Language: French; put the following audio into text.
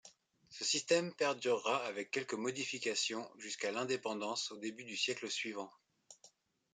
Ce système perdurera avec quelques modifications jusqu'à l'indépendance au début du siècle suivant.